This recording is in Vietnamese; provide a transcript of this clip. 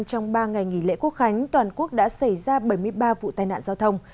trong ba ngày nghỉ lễ quốc khánh toàn quốc đã xảy ra bảy mươi ba vụ tai nạn giao thông